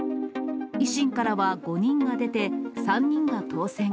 維新からは５人が出て、３人が当選。